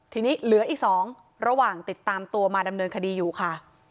ทีนี้เหลืออีก๒ระหว่างติดตามตัวมาดำเนินคดีอยู่ค่ะ